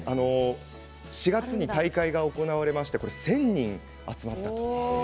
４月に大会が行われて１０００人が集まりました。